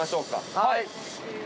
はい！